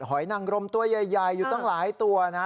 หอยนังรมตัวใหญ่อยู่ตั้งหลายตัวนะ